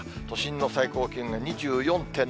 都心の最高気温が２４．７度。